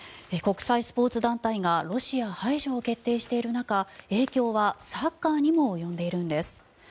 国際スポーツ団体がロシア排除を決定している中影響はサッカーにも及んでいるんです。